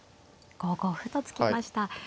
５五歩と突きました。